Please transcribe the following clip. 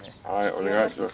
お願いします。